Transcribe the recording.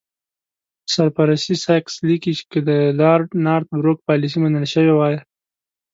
سر پرسي سایکس لیکي چې که د لارډ نارت بروک پالیسي منل شوې وای.